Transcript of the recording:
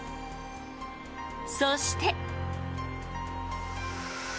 そして。